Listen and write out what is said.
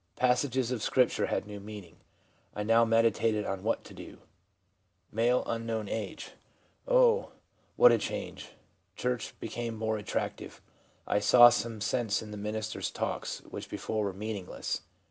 Passages of Scripture had new meaning. I now meditated on what to do/ M., —. 'O, what a change ! Church became more attractive ; I saw some sense in the minister's talks, which before were meaning less.